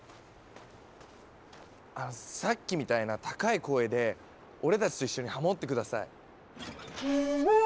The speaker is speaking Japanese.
さっきみたいな高い声で俺たちと一緒にハモって下さい。